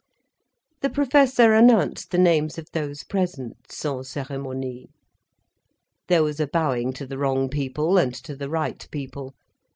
The Professor announced the names of those present, sans cérémonie. There was a bowing to the wrong people and to the right people.